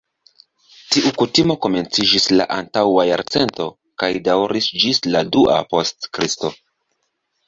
Tiu kutimo komenciĝis la antaŭa jarcento kaj daŭris ĝis la dua post Kristo.